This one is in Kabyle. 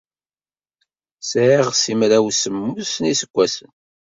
Sɛiɣ simraw semmus n yiseggasen.